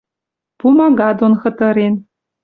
Пумага дон хытырен.